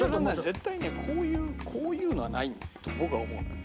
絶対ねこういうのはないと僕は思うのよ。